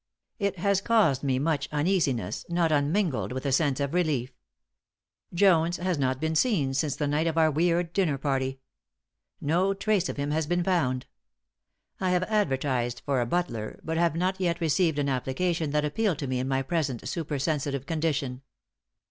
It has caused me much uneasiness, not unmingled with a sense of relief. Jones has not been seen since the night of our weird dinner party. No trace of him has been found. I have advertised for a butler, but have not yet received an application that appealed to me in my present supersensitive condition.